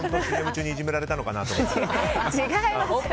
ＣＭ中にいじめられたのかなと思って。